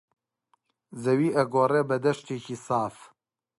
زەوی ئەگۆڕێ بە دەشتێکی ساف